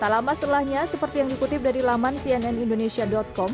dalam masalahnya seperti yang dikutip dari laman cnnindonesia com